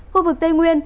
khu vực tây nguyên